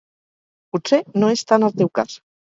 Potser no és tant el teu cas.